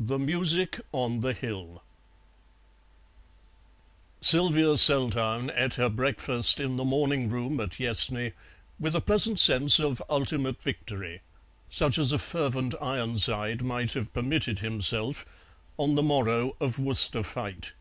THE MUSIC ON THE HILL Sylvia Seltoun ate her breakfast in the morning room at Yessney with a pleasant sense of ultimate victory, such as a fervent Ironside might have permitted himself on the morrow of Worcester fight.